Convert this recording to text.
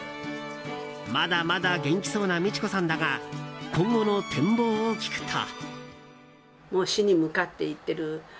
まだまだ元気そうな美智子さんだが今後の展望を聞くと。